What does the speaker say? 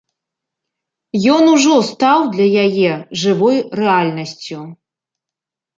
Ён ужо стаў для яе жывой рэальнасцю.